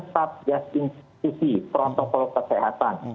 setiap gas institusi protokol kesehatan